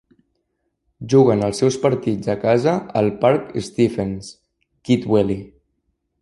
Juguen els seus partits a casa al Parc Stephen's, Kidwelly.